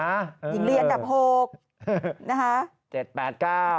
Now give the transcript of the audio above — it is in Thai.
อันดับ๖นะคะ